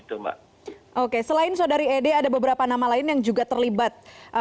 oke selain saudari ede ada beberapa nama lain yang juga terlibat